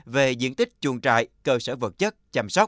về diện tích chuồng trại cơ sở vật chất chăm sóc